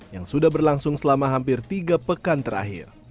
yang sudah berlangsung selama hampir tiga pekan terakhir